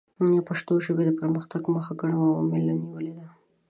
د پښتو ژبې د پرمختګ مخه ګڼو عواملو نیولې ده.